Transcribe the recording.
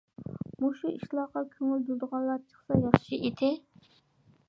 مۇشۇ ئىشلارغا كۆڭۈل بۆلىدىغانلار چىقسا ياخشى ئىدى.